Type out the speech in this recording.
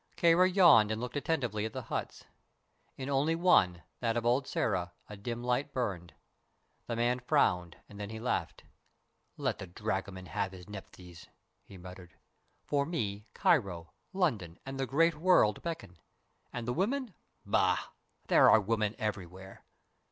Kāra yawned and looked attentively at the huts. In only one, that of old Sĕra, a dim light burned. The man frowned, and then he laughed. "Let the dragoman have his Nephthys," he muttered. "For me Cairo, London and the great world beckon. And women? Bah! There are women everywhere."